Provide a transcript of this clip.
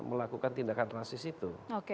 melakukan tindakan rasis itu